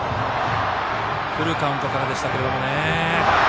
フルカウントからでした。